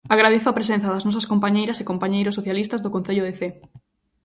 Agradezo a presenza das nosas compañeiras e compañeiros socialistas do Concello de Cee.